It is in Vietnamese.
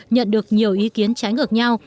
nhận được nhiều ý kiến trái ngược nhau